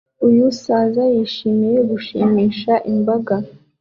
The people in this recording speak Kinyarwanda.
Uyu saza yishimiye gushimisha imbaga